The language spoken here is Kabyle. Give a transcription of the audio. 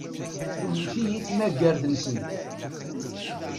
Tewwet-iyi tmagart-nsent.